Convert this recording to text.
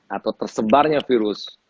atau tersebarnya virus